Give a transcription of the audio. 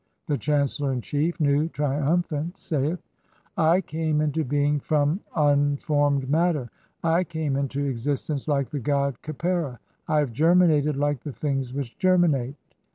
] The chancellor in chief, Nu, trium phant, saith :— (3) "I came 2 into being from unformed matter. I came into "existence like the god Khepera, I have germinated like the "things which germinate